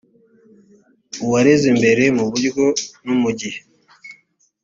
uwareze mbere mu buryo no mu gihe